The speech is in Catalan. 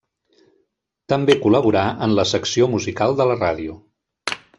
També col·laborà en la secció musical de la ràdio.